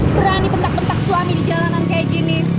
berani bentak bentak suami di jalanan kayak gini